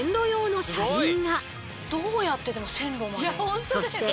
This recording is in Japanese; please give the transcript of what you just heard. どうやってでも線路まで。